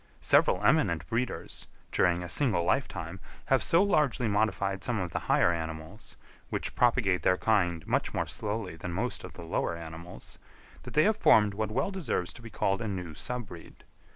Several eminent breeders, during a single lifetime, have so largely modified some of the higher animals, which propagate their kind much more slowly than most of the lower animals, that they have formed what well deserves to be called a new sub breed.